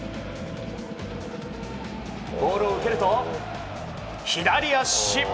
ボールを受けると左足！